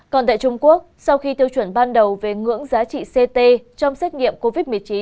còn tại trung quốc sau khi tiêu chuẩn ban đầu về ngưỡng giá trị ct trong xét nghiệm covid một mươi chín